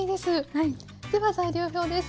では材料表です。